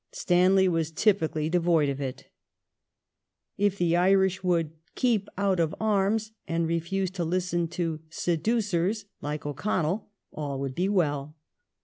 Stanley was typically devoid of it. If the Irish would " keep out of arms," and refuse to listen to " seducers " like O'Connell all would be well.